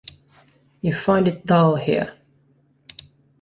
You find it dull here.